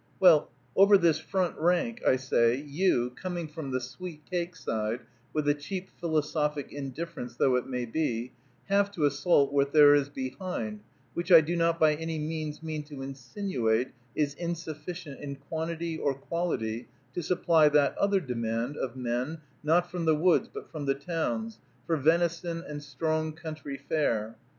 Well, over this front rank, I say, you, coming from the "sweet cake" side, with a cheap philosophic indifference though it may be, have to assault what there is behind, which I do not by any means mean to insinuate is insufficient in quantity or quality to supply that other demand, of men, not from the woods but from the towns, for venison and strong country fare.